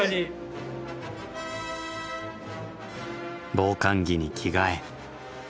防寒着に着替え。